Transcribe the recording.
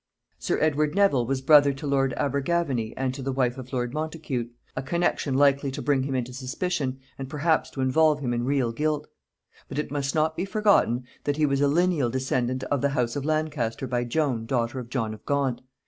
Sir Edward Nevil was brother to lord Abergavenny and to the wife of lord Montacute a connection likely to bring him into suspicion, and perhaps to involve him in real guilt; but it must not be forgotten that he was a lineal descendant of the house of Lancaster by Joan daughter of John of Gaunt.